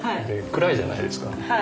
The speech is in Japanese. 暗いじゃないですか。